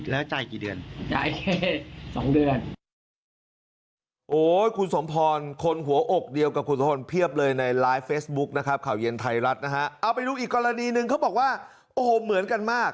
แล้วจ่ายกี่เดือน